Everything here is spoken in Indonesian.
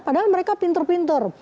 padahal mereka pintur pintur